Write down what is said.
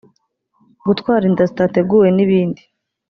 gutwara inda zitateguwe n’ibindi